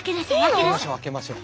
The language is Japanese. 開けましょう開けましょう。